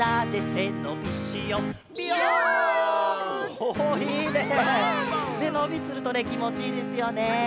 せのびするときもちいいですよね。